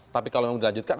tapi kalau mau dilanjutkan